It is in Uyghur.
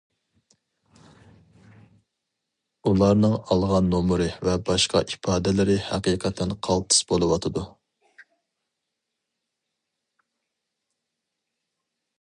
ئۇلارنىڭ ئالغان نومۇرى ۋە باشقا ئىپادىلىرى ھەقىقەتەن قالتىس بولۇۋاتىدۇ.